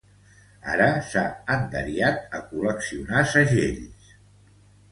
Ara s'ha enderiat a col·leccionar segells.